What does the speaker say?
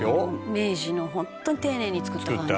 明治のホントに丁寧に造った感じ。